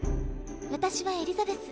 私はエリザベス。